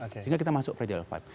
sehingga kita masuk fragile lima